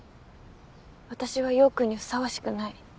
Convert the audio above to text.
私は陽君にふさわしくない。